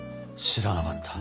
知らなかった。